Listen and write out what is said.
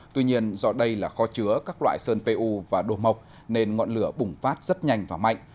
tuy nhiên do đây là kho chứa các loại sơn pu và đồ mộc nên ngọn lửa bùng phát rất nhanh và mạnh